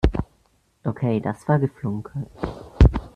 Okay, das war geflunkert.